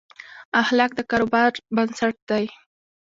اخلاق د کاروبار بنسټ دي.